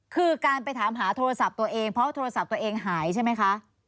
คือการไปถามหาโทรศัพท์ตัวเองเพราะโทรศัพท์ตัวเองหายใช่ไหมคะ